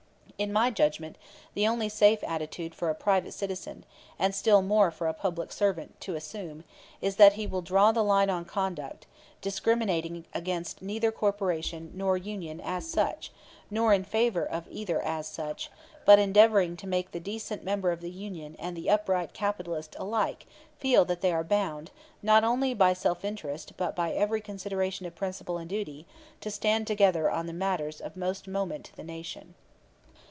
In my judgment, the only safe attitude for a private citizen, and still more for a public servant, to assume, is that he will draw the line on conduct, discriminating against neither corporation nor union as such, nor in favor of either as such, but endeavoring to make the decent member of the union and the upright capitalists alike feel that they are bound, not only by self interest, but by every consideration of principle and duty to stand together on the matters of most moment to the nation."